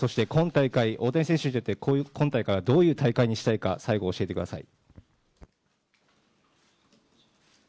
大谷選手にとって、今大会はどういう大会にしたいか、教えてください